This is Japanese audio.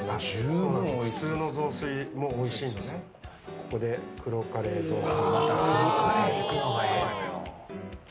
ここで黒カレー雑炊。